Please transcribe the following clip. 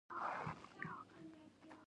هغه جوان ډي لیون کاردونا نومېده.